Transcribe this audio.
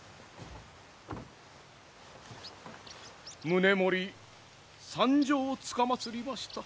宗盛参上つかまつりました。